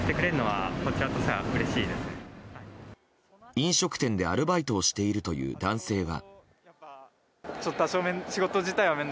飲食店でアルバイトをしているという男性は。